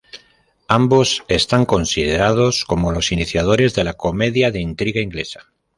Ambos están considerados como los iniciadores de la comedia de intriga inglesa.